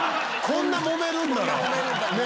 こんなもめるんならな。